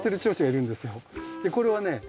これはね